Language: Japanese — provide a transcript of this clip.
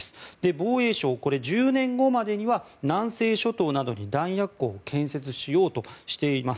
防衛省、１０年後までには南西諸島などに弾薬庫を建設しようとしています。